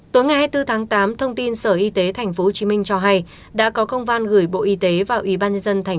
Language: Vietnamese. tối ngày hai mươi bốn tháng tám thông tin sở y tế tp hcm cho hay đã có công văn gửi bộ y tế và ủy ban nhân dân tp hcm